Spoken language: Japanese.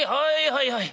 はいはい。